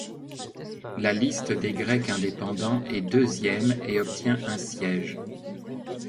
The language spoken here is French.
La liste des Grecs indépendants est deuxième et obtient un siège.